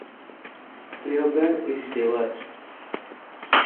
Krueger is divorced.